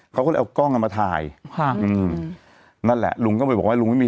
เขาก็เลยเอากล้องเอามาถ่ายค่ะอืมนั่นแหละลุงก็ไปบอกว่าลุงไม่มี